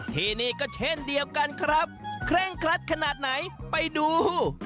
ที่นี่ก็เช่นเดียวกันครับเคร่งครัดขนาดไหนไปดู